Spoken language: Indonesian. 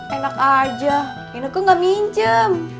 enak aja ineknya nggak minjem